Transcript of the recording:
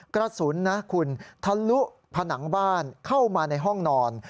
กระสุนนะคุณทะลุผนังบ้านเข้ามาในห้องนอน